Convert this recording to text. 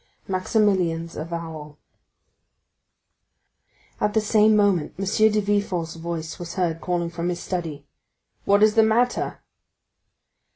Maximilian's Avowal At the same moment M. de Villefort's voice was heard calling from his study, "What is the matter?"